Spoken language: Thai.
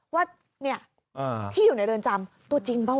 ว่าเนี่ยที่อยู่ในเรือนจำตัวจริงเปล่า